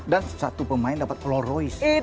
dan satu pemain dapat loroys